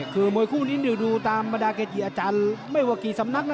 คือมวยคู่นี้ดูตามบรรดาเกจิอาจารย์ไม่ว่ากี่สำนักนะ